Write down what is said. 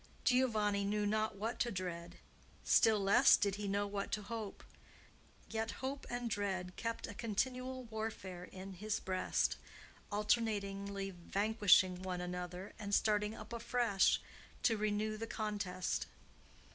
Giovanni knew not what to dread; still less did he know what to hope; yet hope and dread kept a continual warfare in his breast, alternately vanquishing one another and starting up afresh to renew the contest.